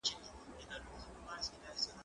زه اجازه لرم چي سفر وکړم،